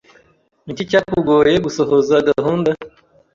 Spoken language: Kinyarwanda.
Niki cyakugoye gusohoza gahunda?